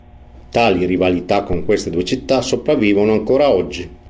Tali rivalità con queste due città sopravvivono ancora oggi.